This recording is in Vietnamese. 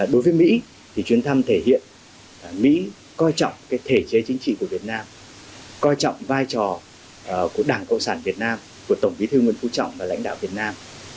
đối với mỹ thì chuyến thăm thể hiện mỹ coi trọng thể chế chính trị của việt nam coi trọng vai trò của đảng cộng sản việt nam của tổng bí thư nguyễn phú trọng và lãnh đạo việt nam